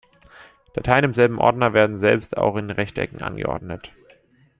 Dateien im selben Ordner werden selbst auch in Rechtecken angeordnet.